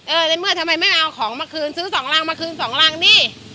ในเมื่อทำไมไม่เอาของมาคืนซื้อสองรังมาคืนสองรังนี่